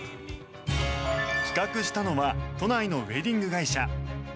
企画したのは都内のウェディング会社。